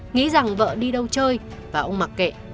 nghĩ rằng vợ đi đâu chơi và ông mặc kệ